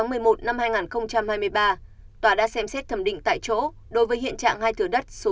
ngày hai mươi sáu tháng một mươi một năm hai nghìn hai mươi ba tòa đã xem xét thẩm định tại chỗ đối với hiện trạng hai thừa đất số tám mươi bảy tám mươi tám